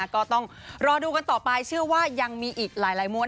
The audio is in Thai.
ก็ต้องรอดูกันต่อไปเชื่อว่ายังมีอีกหลายมวล